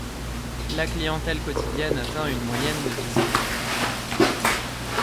La clientèle quotidienne atteint une moyenne de visiteurs.